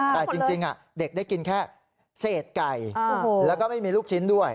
แต่จริงเด็กได้กินแค่เศษไก่แล้วก็ไม่มีลูกชิ้นด้วย